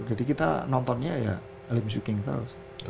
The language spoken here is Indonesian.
jadi kita nontonnya ya lim swicking terus